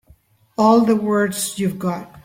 All the words you've got.